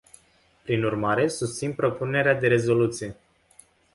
Prin urmare, susțin propunerea de rezoluție.